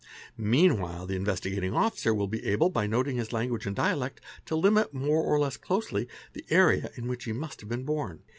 Meanwhile the Investigating Officer will be able, by q noting his language and dialect, to limit, more or less closely, the area in _ which he must have been born.